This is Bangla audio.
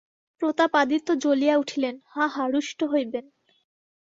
প্রতাপাদিত্য জ্বলিয়া উঠিলেন, হাঁ হাঁ রুষ্ট হইবেন!